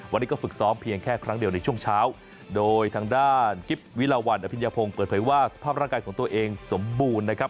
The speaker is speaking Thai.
วันนี้ก็ฝึกซ้อมเพียงแค่ครั้งเดียวในช่วงเช้าโดยทางด้านกิ๊บวิลาวันอภิญญาพงศ์เปิดเผยว่าสภาพร่างกายของตัวเองสมบูรณ์นะครับ